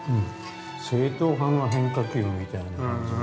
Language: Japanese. ◆正統派の変化球みたいな感じが。